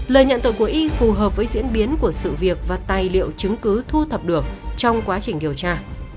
lời nhận tội của y phù hợp với diễn biến của sự việc và tài liệu chứng cứ thu thập được trong quá trình điều tra